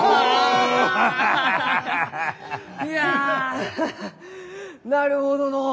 いやアハハなるほどのう。